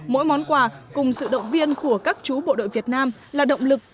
mỗi món quà cùng sự động viên của các chú bộ đội việt nam là động lực